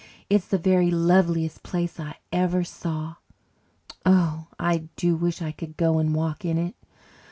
"It's the very loveliest place I ever saw. Oh, I do wish I could go and walk in it.